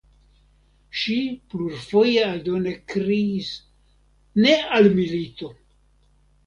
Ŝi plurfoje aldone kriis "Ne al milito!".